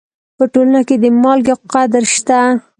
په ټولنه کې د مالګې قدر شته.